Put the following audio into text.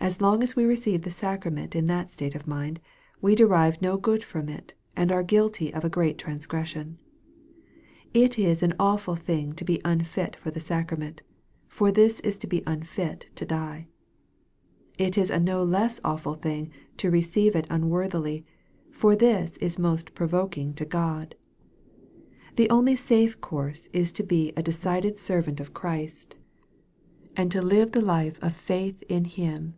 As long as we receive the sacrament in that state of mind, we derive no good from it, and are guilty of a great transgression. It is an awful thing to be unfit for the sacrament, for this is to be unfit to die. It is a no less awful thing to receive It unworthily, for this is most provoking to God. The only safe course is to be a decided servant of Christ, and to MARK, CHAP. XIV. 309 live tLe life of faith in Him.